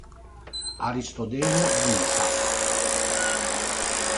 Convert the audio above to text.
Aristodemo di Nisa